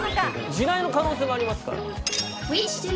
地雷の可能性もありますから。